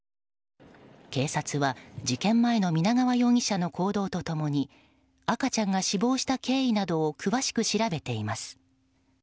警察は事件前の皆川容疑者の行動と共に赤ちゃんが死亡した経緯などを詳しく調べています。